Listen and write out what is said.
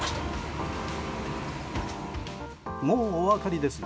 もうお分かりですね。